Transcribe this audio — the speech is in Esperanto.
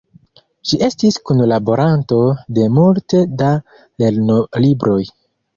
Ŝi estis kunlaboranto de multe da lernolibroj.